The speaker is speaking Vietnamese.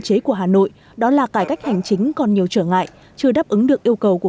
chế của hà nội đó là cải cách hành chính còn nhiều trở ngại chưa đáp ứng được yêu cầu của